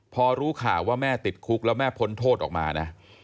พอรู้ข่าวว่าแม่ติดคุกแล้วแม่พ้นโทษออกมานะ